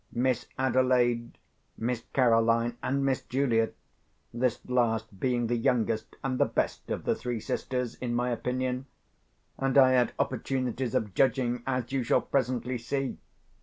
Miss Adelaide; Miss Caroline; and Miss Julia—this last being the youngest and the best of the three sisters, in my opinion; and I had opportunities of judging, as you shall presently see.